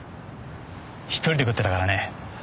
１人で食ってたからね。